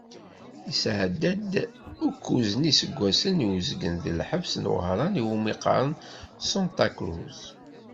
Yesɛedda-d ukkuẓ n yiseggasen d uzgen di lḥebs n Wehran i wumi qqaren Sanṭa Cruz.